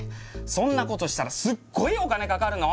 そんなことしたらすっごいお金かかるの！